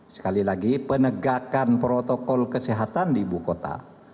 sekali lagi penegakan protokol kesehatan di ibu kota